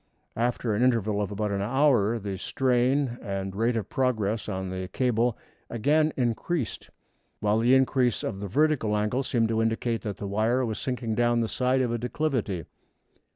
After an interval of about an hour the strain and rate of progress of the cable again increased, while the increase of the vertical angle seemed to indicate that the wire was sinking down the side of a declivity.